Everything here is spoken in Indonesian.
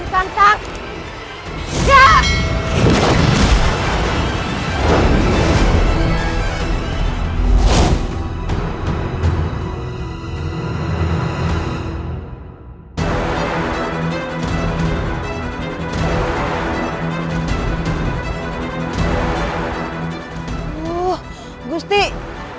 nggak ada lagi idea ustin